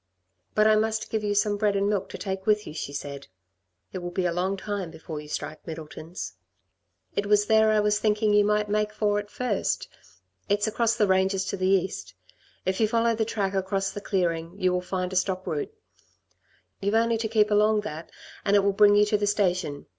"But I must give you some bread and milk to take with you," she said. "It will be a long time before you strike Middleton's. It was there I was thinking you might make for at first. It's across the ranges to the east. If you follow the track across the clearing, you will find a stock route. You've only to keep along that and it will bring you to the station.